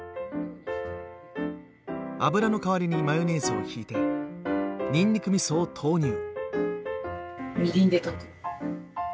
油の代わりにマヨネーズを引いてにんにくみそを投入。